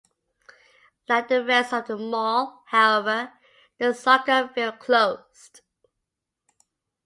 Like the rest of the mall, however, the soccer field closed.